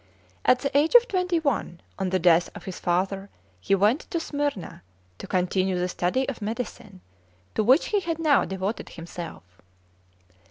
At the age of twenty one, on the death of his father, he went to Smyrna to continue the study of medicine, to which he had now devoted himself.